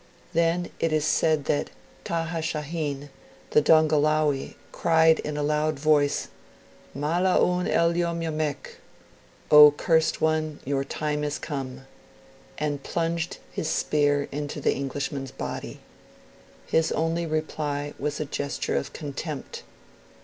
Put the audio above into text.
Then it is said that Taha Shahin, the Dongolawi, cried in a loud voice, 'Mala' oun el yom yomek!' (O cursed one, your time is come), and plunged his spear into the Englishman's body. His only reply was a gesture of contempt.